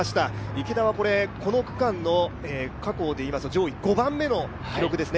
池田はこの区間の過去でいいますと上位５番目の記録ですね。